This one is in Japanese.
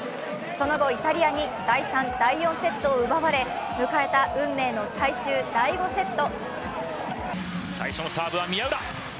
その後、イタリアに第３、第４セットを奪われ、迎えた運命の最終第５セット。